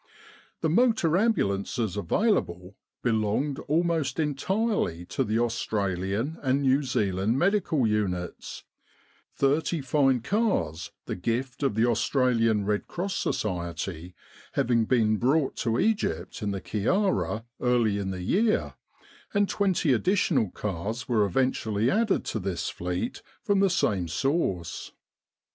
The motor ambulances available belonged al most entirely to the Australian and New Zealand medical units thirty fine cars, the gift of the Aus tralian Red Cross Society, having been brought to Egypt in the Kyarra early in the year, and twenty additional cars were eventually added to this fleet from the same source.